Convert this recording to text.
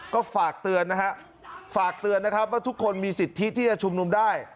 ก็ฝากเตือนนะฮะฝากเตือนนะครับว่าทุกคนมีสิทธิที่จะชุมนุมได้